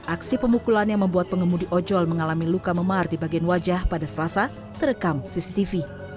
aksi pemukulan yang membuat pengemudi ojol mengalami luka memar di bagian wajah pada selasa terekam cctv